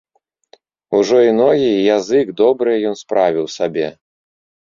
Ужо і ногі, і язык добрыя ён справіў сабе.